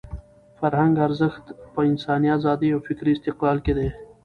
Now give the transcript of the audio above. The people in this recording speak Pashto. د فرهنګ ارزښت په انساني ازادۍ او په فکري استقلال کې دی.